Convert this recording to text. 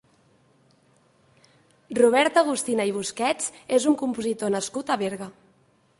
Robert Agustina i Busquets és un compositor nascut a Berga.